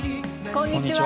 こんにちは。